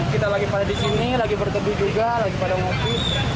kita lagi pada di sini lagi berteduh juga lagi pada ngopis